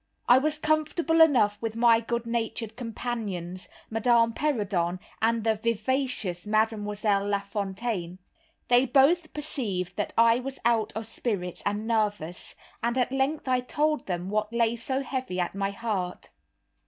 I was comfortable enough with my good natured companions, Madame Perrodon, and the vivacious Mademoiselle Lafontaine. They both perceived that I was out of spirits and nervous, and at length I told them what lay so heavy at my heart.